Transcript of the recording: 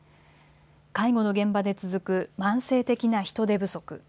介護の現場で続く慢性的な人手不足。